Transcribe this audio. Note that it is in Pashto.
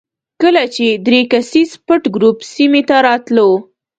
کله چې درې کسیز پټ ګروپ سیمې ته راتلو.